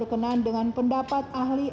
kenan dengan pendapat ahli